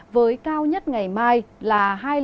với cao nhất ngày mai là